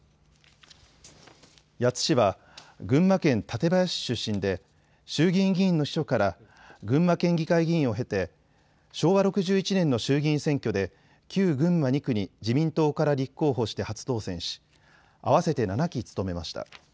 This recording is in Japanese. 谷津氏は群馬県館林市出身で衆議院議員の秘書から群馬県議会議員を経て昭和６１年の衆議院選挙で旧群馬２区に自民党から立候補して初当選し、合わせて７期務めました。